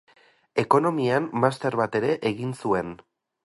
Ekonomian master bat ere egin zuen.